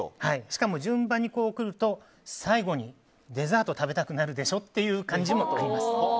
しかも順番にくると最後にデザートを食べたくなるでしょって感じもあります。